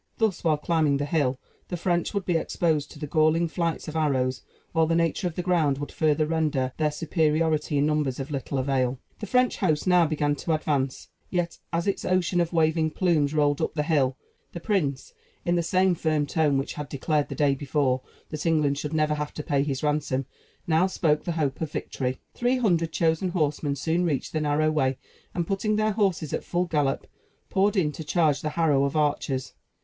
Thus, while climbing the hill, the French would be exposed to the galling flights of arrows, while the nature of the ground would further render their superiority in numbers of little avail. The French host now began to advance; yet, as its ocean of waving plumes rolled up the hill, the prince, in the same firm tone which had declared the day before, that England should never have to pay his ransom, now spoke the hope of victory. Three hundred chosen horsemen soon reached the narrow way, and, putting their horses at full gallop, poured in to charge the harrow of archers.